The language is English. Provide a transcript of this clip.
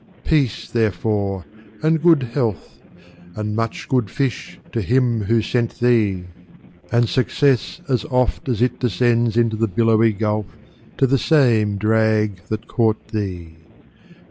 Peace, therefore, and good health, and much good fish, To him who sent thee! and success, as oft As it descends into the billowy gulf, To the same drag that caught thee!